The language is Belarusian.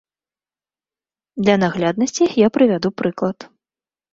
Для нагляднасці я прывяду прыклад.